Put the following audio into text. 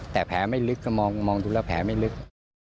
แต่แผลไม่ลึกก็มองดูแล้วแผลไม่ลึก